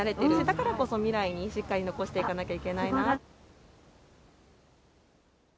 だからこそ未来にしっかり残していかなきゃいけないな。